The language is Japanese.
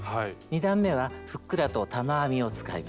２段めはふっくらと玉編みを使いました。